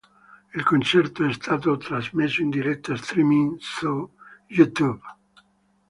Il concerto è stato trasmesso in diretta streaming su YouTube.